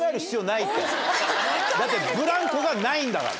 だってブランコがないんだから。